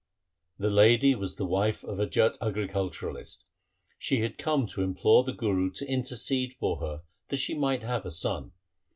The lady was the wife of a Jat agriculturist. She had come to implore the Guru to intercede for her that she might have a son.